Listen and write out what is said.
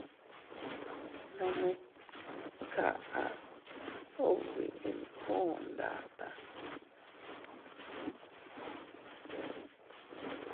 Nome kaʼa ubi inkuu ndataa.